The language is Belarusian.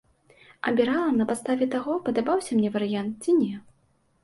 Абірала на падставе таго, падабаўся мне варыянт ці не.